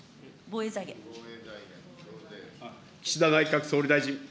岸田内閣総理大臣。